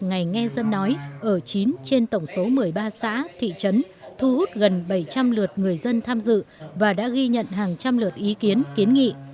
ngày nghe dân nói ở chín trên tổng số một mươi ba xã thị trấn thu hút gần bảy trăm linh lượt người dân tham dự và đã ghi nhận hàng trăm lượt ý kiến kiến nghị